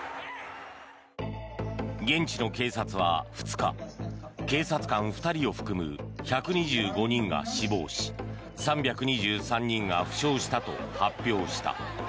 現地の警察は２日警察官２人を含む１２５人が死亡し３２３人が負傷したと発表した。